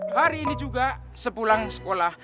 hari ini juga sepulang sekolah